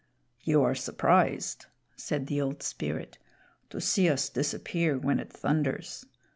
"You are surprised," said the Old Spirit, "to see us disappear when it thunders.